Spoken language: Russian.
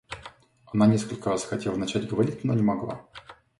Она несколько раз хотела начать говорить, но не могла.